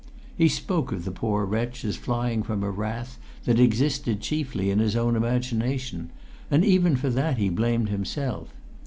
He spoke of the poor wretch as flying from a wrath that existed chiefly in his own imagination, and even for that he blamed himself.